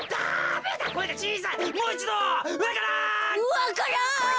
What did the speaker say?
「わからん！」。